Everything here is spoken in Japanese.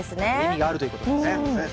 意味があるということですね。